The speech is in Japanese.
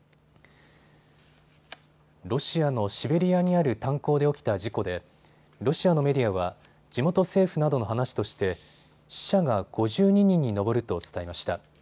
ロシアのシベリアにある炭鉱で起きた事故でロシアのメディアは地元政府などの話として死者が５２人に上ると伝えました。